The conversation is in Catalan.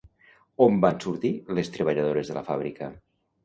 On van sortir les treballadores de la fàbrica?